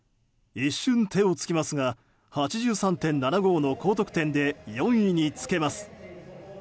一瞬手をつきますが８３．７５の高得点で４位につけます。